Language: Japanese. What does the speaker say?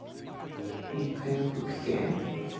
いいかよく聞け。